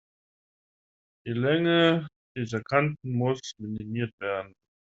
Die Länge dieser Kanten muss minimiert werden.